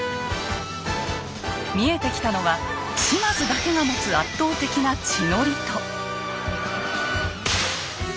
見えてきたのは島津だけが持つ圧倒的な地の利と。